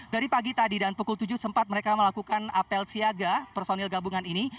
dari pagi tadi dan pukul tujuh sempat mereka melakukan apel siaga personil gabungan ini